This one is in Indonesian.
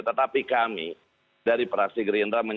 tetapi kami dari praksi gerindra